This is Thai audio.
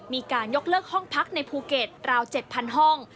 มีการยกเลิกห้องพักในภูเก็ตราว๗๐๐ห้อง